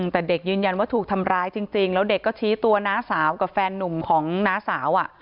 แต่เด็กยืนยันว่าถูกทำร้ายจริงแล้วเด็กก็ชี้ตัวน้าสาวกับแฟนนุ่มของน้าสาว